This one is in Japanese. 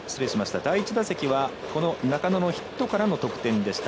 第１打席は中野のヒットからの得点でした。